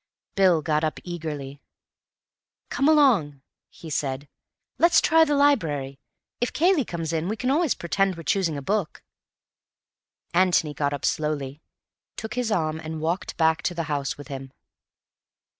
Bill got up eagerly. "Come along," he said, "let's try the library. If Cayley comes in, we can always pretend we're choosing a book." Antony got up slowly, took his arm and walked back to the house with him.